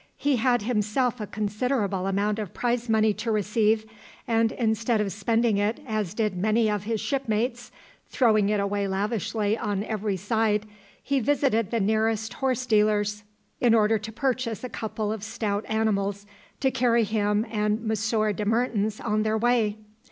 He had himself a considerable amount of prize money to receive, and instead of spending it as did many of his shipmates, throwing it away lavishly on every side, he visited the nearest horse dealer's in order to purchase a couple of stout animals to carry him and Monsieur de Mertens on their way.